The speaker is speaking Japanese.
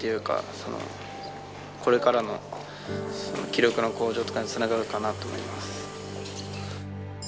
そのこれからの記録の向上とかにつながるかなと思います